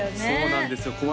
そうなんですよ